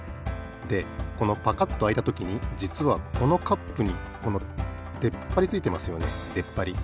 でこのパカッとあいたときにじつはこのカップにこのでっぱりついてますよね。でっぱり。